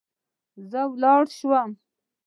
زه ولاړ سوم.